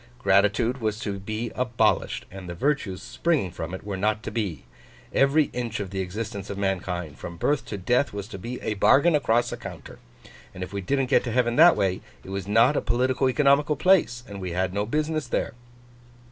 Gratitude was to be abolished, and the virtues springing from it were not to be. Every inch of the existence of mankind, from birth to death, was to be a bargain across a counter. And if we didn't get to Heaven that way, it was not a politico economical place, and we had no business there.